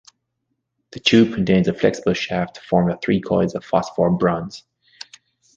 The tube contains a flexible shaft formed of three coils of phosphor bronz.